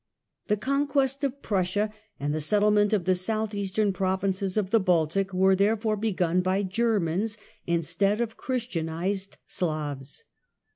The conquest of Prussia and the settlement of the south eastern provinces of the Baltic were there fore begun by Germans instead of Christianised Slavs.